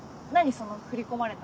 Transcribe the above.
その振り込まれたら。